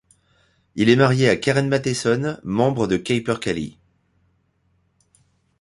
Il est marié à Karen Matheson, membre de Capercaillie.